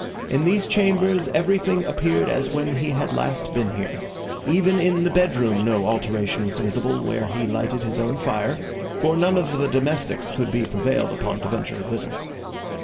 In these chambers everything appeared as when he had last been here; even in the bedroom no alteration was visible, where he lighted his own fire, for none of the domestics could be prevailed upon to venture thither.